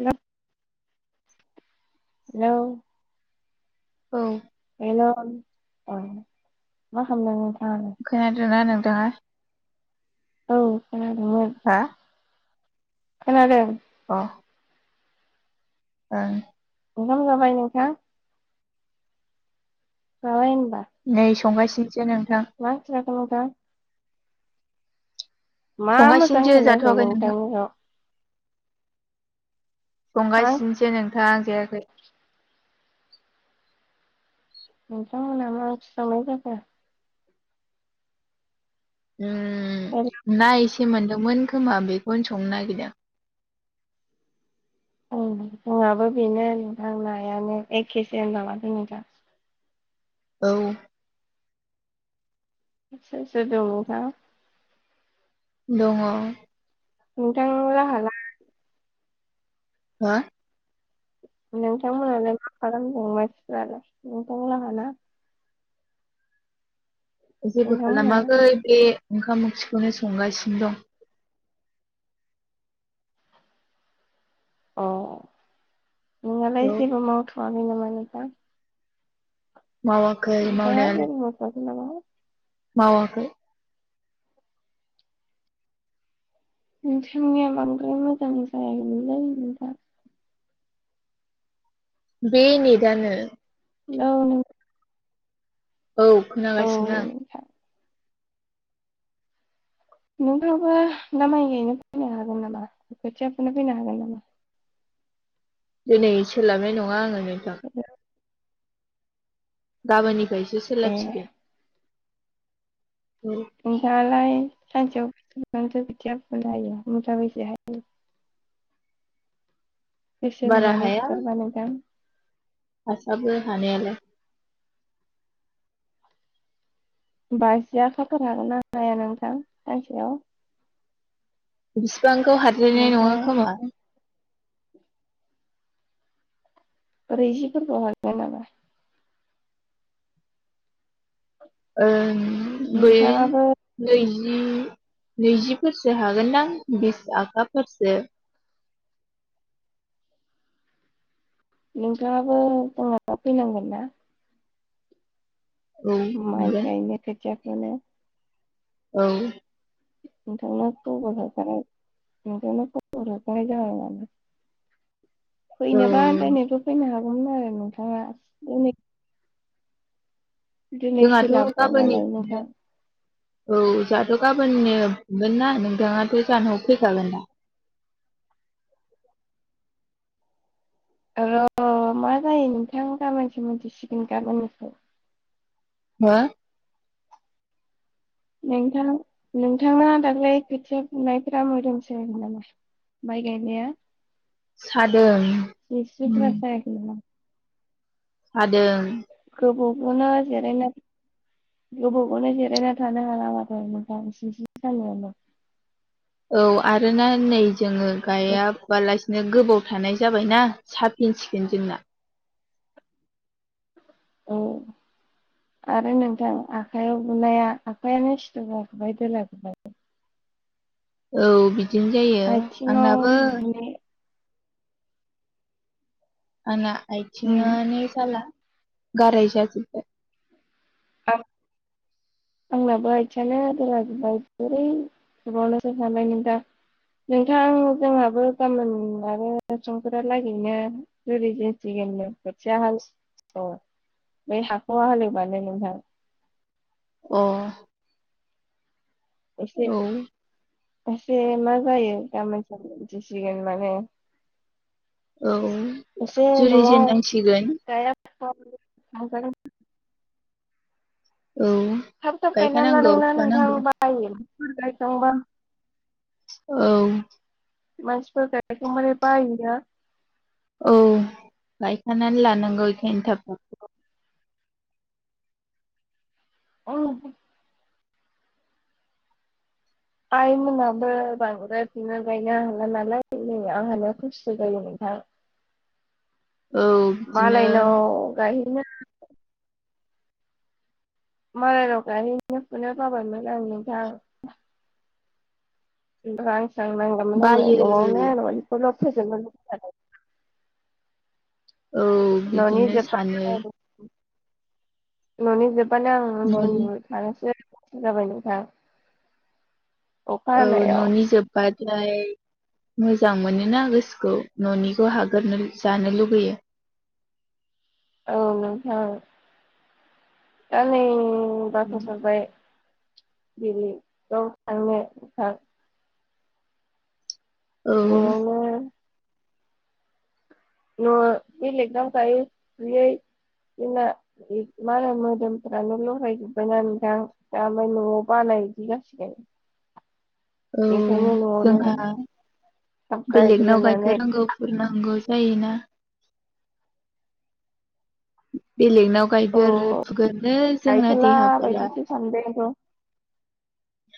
Hello hello. औ hello औ मा खालामदों नोंथां खोनादोंना नोंथाङा? औ। खोनादोंमोन हा खोनादों अ ओं ओंखाम जाबाय नोंथां जाबाय उ नै संगासिनोसो नों मा ओंख्रि जाखो नोंथां मा मोजां संगासिनोसो होनायाखै जाथ'वाखै नोंथां नोंथांनिखोव मा संगासिनोसो नोंथां जायाखै नोंथांमोना मा ओंख्रि संनाय जाखो उ ना एसे मोनदोंमोन खोमा बेखौनो संनो नागिरदों औ जोंहाबो बेनो नोंथां नायानो एखेसो होनब्ला माथो नोंथां औ सोर-सोर दङ फा दङ नोंथांलाहालाय हा नोंथां लाहालाय मा खालामदों मानसिफ्रालाय नोंथांलाहाना जेबो नोंथांमोनहा खालामाखै बे ओंखाम ओंख्रिखौनो संगासिनो दं अ नोंनालाय औ जेबो मावथ'वाखै नामा नोंथां मावाखै नोंथाङा मावनायालाय जेबो मावथ'आखै नामाहाय मावाखै नोंथांनिया बांद्राय मोजां जायाखैमोनलै नोंथां बे नेदानो औ नं औ खोनागासिनो आं नोंथां नोंथाङाबो दा माइ गाइनो फैनो हागोन नामा खोथियाफुनो फैनो हागोन नामा दिनै सोलाबनाय नङा आंङो नोंथां गाबोननिफ्रायसो ए सोलाबसिगोन औ [unintelligible] [unintelligible] [unintelligible] हासाबो हानायालाय बाजियाखाखनो हागोन ना हाया नोंथां सानसेयाव बिसिबांखौ हाद्रायनाय नङा नोंथाङा खोमा ब्रैजि फीरखोव हागीन नामा ओ बै नोंथाङाबो नैजि नैजिफोरसो हागोनदां बिस आखाफोरसो [inaudible] नोंथाङाबो बुंहरबा फैनांगोन ना माइ मोनगोन गायनो खोथिया फुनो औ द माथ' बथ खाराय [unintelligible] औ फैनोबा दिनैबो फैनो हागौमोन आरो नोंथाङा दिनै दिनै जोंहाथ' गाबोननि सोलाबाबालाय नोंथां औ जोंहाथ' गाबोननो फुगोन ना नोंथाङाथ' जांहानाव फैखागोन दा र मा जायो नोंथां गाबोनसो मिथिसिगोन गाबोनखौ हो नोंथां नोंथाङा दाख्लै खोथिया फुनायफोरा मोदोम सायाखै नामा माइ गायनाया सादों सिंस्रिफोरा उम, सायाखै नामा सादों गोबावबावना जिरायनो गोबाव खौनो जिरायना थानो हाला माथो [unintelligible] औ आरोना नै जोङो गाया फुवालासिनो गोबाव थानाय जाबायना साबफिन सिगोन जोंना औ। आरो नोंथां आखायाव बुनाया आखायानो सिथु गाखोबाय दोलाखोबाय। [inaudible] औ बिदिनो जायो आथिङाव आंनाबो बुनाय आना उम आइथिंआनो जाला गाराय जाजोबबाय आं आंनाबो आथियानो दोलाजोबबाय बोरै सावनोसो थायमोन दा नोंथां जोंहाबो गाबोन आरो संफोरा लागैनो जुरैजेनसिगोन। खोथिया हाल बै हाखखौ हाल एवबानो नोंथां। अ। एसे औ एसे मा जायो गाबोन सो बिथिसिगोन माने औ एसे न'आव [unintelligible] जुरिजेननांसिगोन औ थाब थाबाय गायना गायखानांगौ लादोंना नोंथां फुखानांगौ बायो गायखांबा औ मानसिफोरा बेखौ माने बायो ना। औ गायखानानै लानांगौ इखायनो थाब थाब। औ। आइमोनाबो बांद्राय बिनो गायनो हाला नालाय नै आंहानो खस्थ' जायो नोंथां। औ बिदिनो मालायनाव गायनो। मालायनाव गायनो थांनोनो बाबाय मोन आं नोंथां रां सां नांगौमोन आंनो बायो न'आवनोखौ [unintelligible] औ न'नि बिदिनो सानो जोबबानो ननि जबानो आं उन्दु न'नि उन्दुसो थागोन जाबाय नोंथां अखा औ हानायाव न'नि जोब्बाथाय मोजां मोनोना गोसोखौ न'निखौ हागोरनो जानो लुुबैयो औ नोंथां दा नै बाखसरबाय [inaudible] औ न'नी न'बेलेगनाव गायी फुयी जोंना मालाय मोदोमफ्रानो लहायजोब्बायना नोंथां दाय न'आव बानाय गायज गसि औ जोंहा थाब बेलेगनाव गायखो गायग्रोनानै रोंगौ फोर नांगौ जाय ना बेलेगनाव औ गायगोर फुगोरोनो जोंना गायथ'ला देहाफोरा बायदिसो सानबाय आंथ'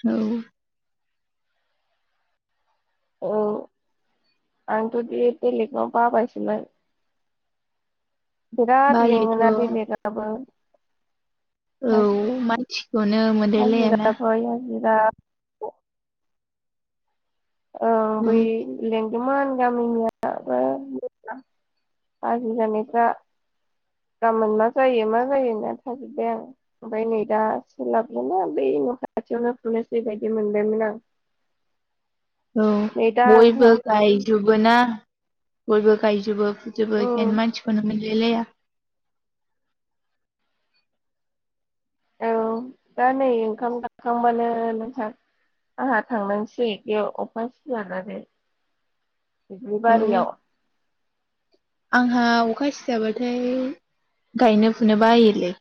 औ औ आंथ' बेलेगाव बाबायसोमोन बिराद बायोथ' मेङाना बेलेगनावबो औ मानसिखौनो मोनलायलायाना हाजिराबाज दा औ बै लें बिदिन गामिनियाबो हाज्रि जानायफ्रा गाबोन मा जायो मा जायो होनना थाजोबबाय आं ओमफ्राय नै दा सोलाबगोना बै न' खाथियावनो फुनोसै बायदि मोनदोंमोन आं। औ नै दा बयबो ओंखाम गायजोबो ना बयबो गायजोबो। जोबो इखायनो उम मानसिखौनो मोनलायलाया। औ दा नै ओंखाम गाखांबानो नोंहा आंहा थांनानसै बेयाव अखा सिजानानै औ दुबलिबारियाव। आंहा अखा सिजाबाथाय गायनो फुनो बायोलै।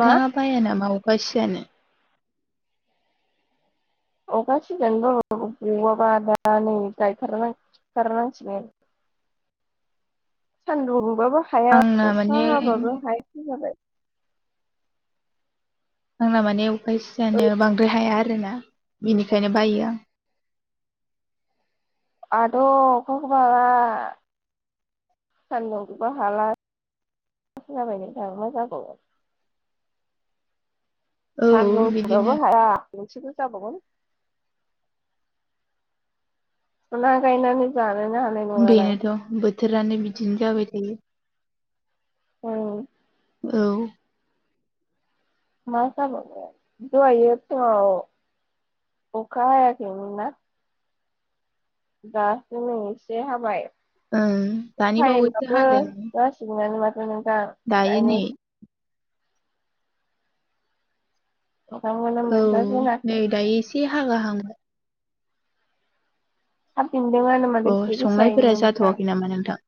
मा बाया नामा अखा सिजानो? अखा सिजानो बाबाबो गवाबा दा नै गायथारनां फुथारनांसिगोन। [inaudible] सान्दुं दुंबाबो हाया आंना अखा माने हाबाबो हायासो जाबाय। आंना माने अखा ओरै सिजानाया बांद्राय हाया आरोना बेनिखायनो बायो आं। आथ अखाखोबा सानदुं बिबा हाला जाबाय नोंथाङा मा जाबावमोन। औ बिदिनो [unintelligible] फुना गायनानै जा बेनोथ' बोथोरानो बिदिनो जाबाय थायो। औ। औ। मा जाबाय दहायो फुं आव अखा हायाखै नोंना? दा जोंनि एसे हाबाय ओं दानि बावैसो थाइयेमाबो हादों जासिगोनानो माथ दायो नै [unintelligible] ओंखामखौनो औ नै मोनजाजेनाखै दायो एसे हागा हां अ संनायफोरा [unintelligible] जाथ'वाखै नामा नोंथां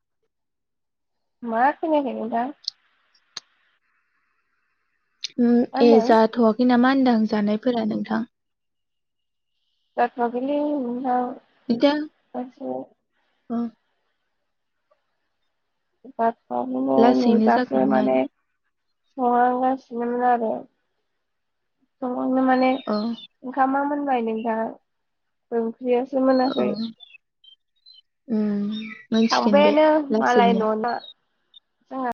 मा खोनायाखै नोंथां। उम मा ए होनदों जाथ'वाखै नामा होनदों जानायफोरा नोंथां? जाथ'वाखैलै बिनानाव [unintelligible] उम। ‌जाथ'वाखै नै लासैनो दासो जागोन माने आरो संहांगासिनोमोन आरो सं संनो माने अ ओंखामा मोनबाय नोंथां ओं ओंख्रियासो औ मोनाखै। उम। मोनथिगोन बे थांबायानो मालाय लासैनो न'ना। जाहा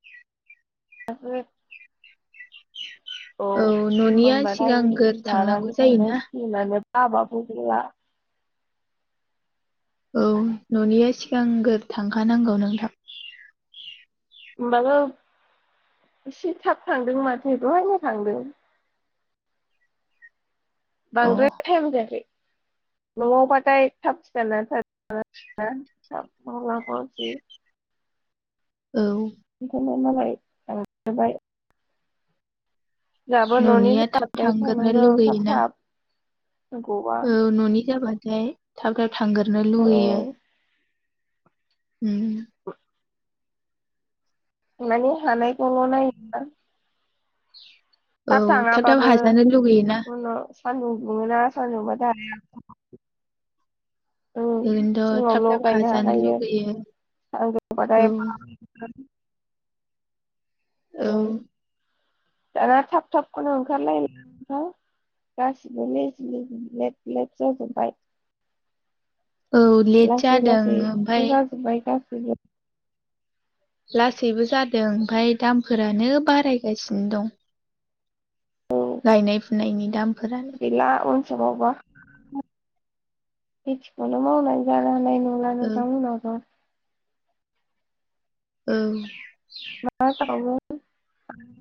[unintelligible] औ न'निया मोनबाथाय सिगांग्रो थांनांगौ जानानै थांनां जायोना सिगोनानो। [unintelligible] औ न'निया सिगांग्रो थांखानांगौ नोंथां। होमबाबो एसे थाब थांदों माथो दहायनो थांदों। अ बांद्राय टाइम जायाखै। नङाव बाथाय थाब सिखारना [unintelligible] औ। [unintelligible] जोंहाबो न'नि न'निया थाब जाबाय थांगोरनो थांनांगौ थाब लुगैयोना। थाब गवा औ न'नि जाबाथाय थाब थाब थांग्रोनो औ लुुबैयो। उम माने हानायायखौल नायोना औ थाब थाब थाङाबाबो हाजानो लुगैयोना उनाव सान्दुं दुङोना सान्दुंबा [unintelligible] ओरैनोथ' थाब सिङावल' थाब गायनो हाजानो हाखायो लुगैयो औ [unintelligible] औ उम दाना थाब थाबखौनो ओंखारलाय लांला गासिबो लेेब जजोब्बाय औ लेट लासै जादों लासैाज ओमफाय सो जाजोबबाय गासिबो लासैबो जादों ओमफफ्राय दामफोरानो बारायगासिनो दं औ गायनाय फुनायनि दामफोरानो वबा खेथिखौनो मावनाय जानो हानाय ना [unintelligible] औ उम